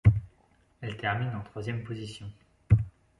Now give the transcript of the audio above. Elle termine en troisième position.